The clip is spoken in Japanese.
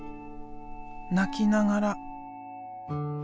泣きながら。